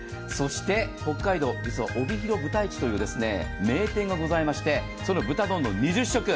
北海道、実は帯広ぶたいちという名店がございまして、その豚丼２０食。